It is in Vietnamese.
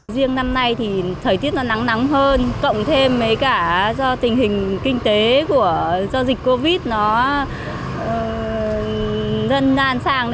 riêng năm nay thì thời tiết nó nắng nắng hơn cộng thêm với cả do tình hình kinh tế của do dịch covid nó năn sang